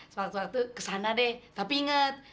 sewaktu waktu kesana deh tapi inget